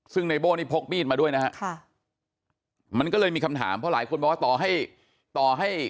ซึ่งไนโบนี่พกปีดมาด้วยนะมันก็เลยมีคำถามเพราะหลายคนบอกว่าต่อให้